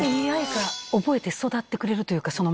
ＡＩが覚えて育ってくれるというかそのまま。